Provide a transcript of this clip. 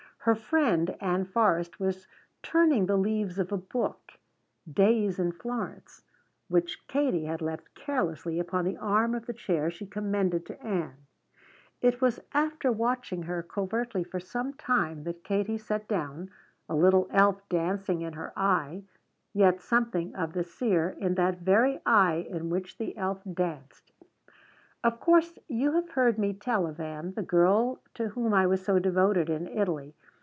Her friend Ann Forrest was turning the leaves of a book, "Days in Florence," which Kate had left carelessly upon the arm of the chair she commended to Ann. It was after watching her covertly for sometime that Katie set down, a little elf dancing in her eye, yet something of the seer in that very eye in which the elf danced: "Of course you have heard me tell of Ann, the girl to whom I was so devoted in Italy.